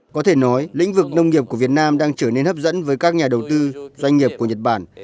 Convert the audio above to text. có thể nói lĩnh vực nông nghiệp của việt nam đang trở nên hấp dẫn với các nhà đầu tư doanh nghiệp của nhật bản